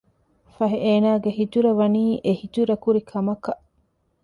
ފަހެ އޭނާގެ ހިޖުރަ ވަނީ އެ ހިޖުރަ ކުރި ކަމަކަށް